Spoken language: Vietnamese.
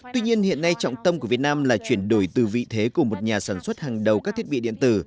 tuy nhiên hiện nay trọng tâm của việt nam là chuyển đổi từ vị thế của một nhà sản xuất hàng đầu các thiết bị điện tử